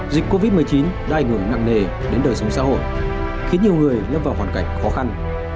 dịch covid một mươi chín đai người nặng nề đến đời sống xã hội khiến nhiều người lấp vào hoàn cảnh khó khăn